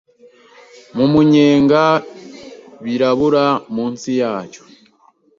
mumu nyenga birabura munsi yacyo